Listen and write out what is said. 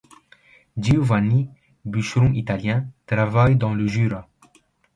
Giovanni, bûcheron italien, travaille dans le Jura.